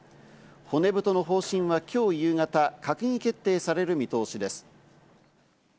骨太の方針は今日夕方、閣議決定される見通しです。